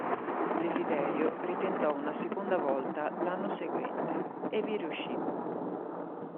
Desiderio ritentò una seconda volta l'anno seguente e vi riuscì.